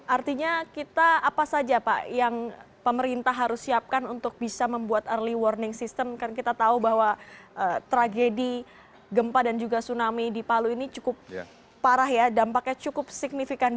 artinya kita apa saja pak yang pemerintah harus siapkan untuk bisa membuat early warning system kan kita tahu bahwa tragedi gempa dan juga tsunami di palu ini cukup parah ya dampaknya cukup signifikan